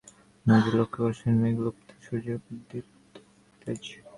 বার্ধক্যের মোড়কের মধ্যেও সেখানে নজরুল লক্ষ করেছেন মেঘলুপ্ত সূর্যের প্রদীপ্ত তেজ।